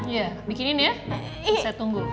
ya bikinin ya saya tunggu